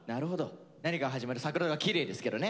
何か始まる桜がきれいですけどね